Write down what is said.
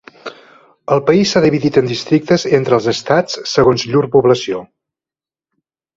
El país s'ha dividit en districtes entre els estats segons llur població.